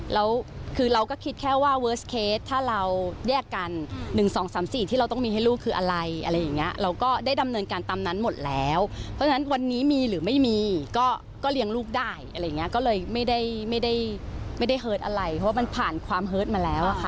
แล้วคือเราก็คิดแค่ว่าเวิร์สเคสถ้าเราแยกกัน๑๒๓๔ที่เราต้องมีให้ลูกคืออะไรอะไรอย่างเงี้ยเราก็ได้ดำเนินการตามนั้นหมดแล้วเพราะฉะนั้นวันนี้มีหรือไม่มีก็เลี้ยงลูกได้อะไรอย่างเงี้ยก็เลยไม่ได้ไม่ได้เฮิร์ตอะไรเพราะว่ามันผ่านความเฮิร์ตมาแล้วอะค่ะ